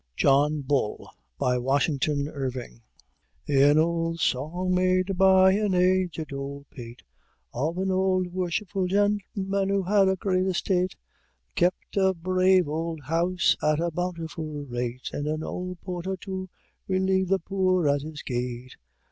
JOHN BULL WASHINGTON IRVING "An old song, made by an aged old pate, Of an old worshipful gentleman who had a great estate, That kept a brave old house at a bountiful rate, And an old porter to relieve the poor at his gate.